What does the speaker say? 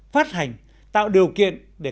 phát hành tạo điều kiện để